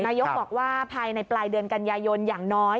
นายกบอกว่าภายในปลายเดือนกันยายนอย่างน้อย